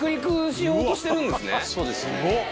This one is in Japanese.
そうですね。